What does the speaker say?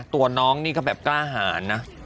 ตัวน้องก็กล้าหานนะ